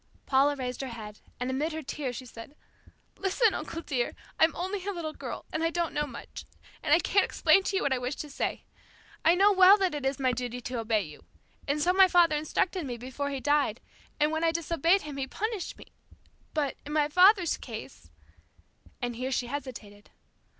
Paula raised her head, and amid her tears she said, "Listen, uncle dear, I'm only a little girl, and I don't know much, and I can't explain to you what I wish to say. I know well that it is my duty to obey you, and so my father instructed me before he died, and when I disobeyed him, he punished me, but in my father's case " and here she hesitated.